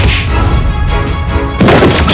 tidak ada apa apa